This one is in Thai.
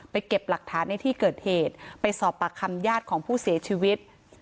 เก็บหลักฐานในที่เกิดเหตุไปสอบปากคำญาติของผู้เสียชีวิต